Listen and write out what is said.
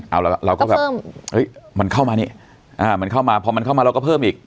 เอาล่ะเราก็แบบมันเข้ามานี่มันเข้ามาพอมันเข้ามาเราก็เพิ่มอีก